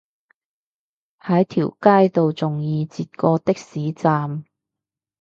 喺條街度仲易截過的士站